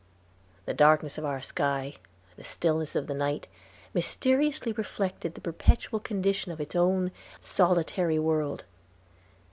The darkness of our sky, the stillness of the night, mysteriously reflected the perpetual condition of its own solitary world.